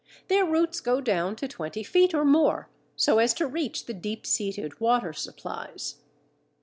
Their roots go down to twenty feet or more, so as to reach the deep seated water supplies.